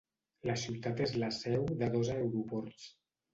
La ciutat és la seu de dos aeroports.